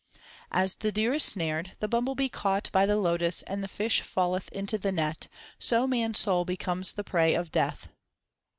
1 As the deer is snared, the bumble bee caught by the lotus, and the fish falleth into the net, so man s soul becomes the prey of Death.